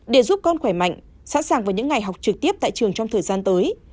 để giúp con khỏe mạnh sẵn sàng vào những ngày học trực tiếp tại trường trong thời gian tới